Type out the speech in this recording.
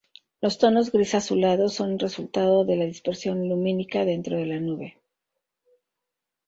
Los tonos gris-azulados son resultado de la dispersión lumínica dentro de la nube.